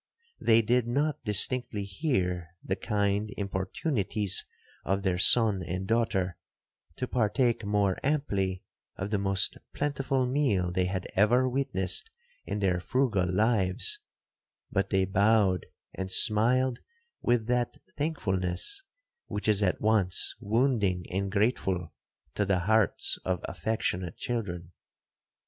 They did not distinctly hear the kind importunities of their son and daughter, to partake more amply of the most plentiful meal they had ever witnessed in their frugal lives,—but they bowed and smiled with that thankfulness which is at once wounding and grateful to the hearts of affectionate children.